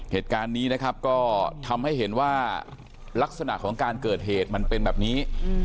เหตุการณ์นี้นะครับก็ทำให้เห็นว่าลักษณะของการเกิดเหตุมันเป็นแบบนี้